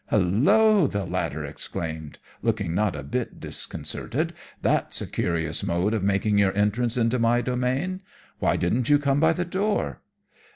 "'Hulloa!' the latter exclaimed, looking not a bit disconcerted, 'that's a curious mode of making your entrance into my domain! Why didn't you come by the door?'